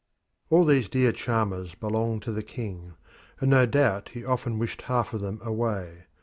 All these dear charmers belonged to the king, and no doubt he often wished half of them away.